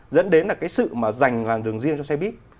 dẫn đến là cái sự mà dành làng đường riêng cho xe bíp